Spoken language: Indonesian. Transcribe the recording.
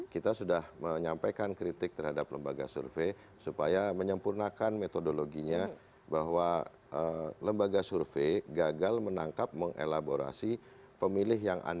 kita sudah menyampaikan kritik terhadap lembaga survei supaya menyempurnakan metodologinya bahwa lembaga survei gagal menangkap mengelaborasi pemilih yang ada